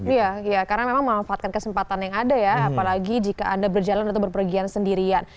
iya iya karena memang memanfaatkan kesempatan yang ada ya apalagi jika anda berjalan atau berpergian sendirian